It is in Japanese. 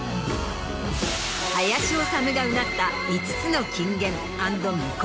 林修がうなった５つの。